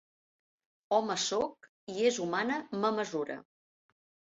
Home soc, i és humana ma mesura.